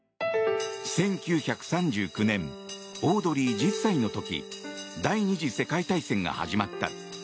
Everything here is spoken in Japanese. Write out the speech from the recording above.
１９３９年オードリー１０歳の時第２次世界大戦が始まった。